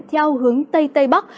theo hướng tây tây bắc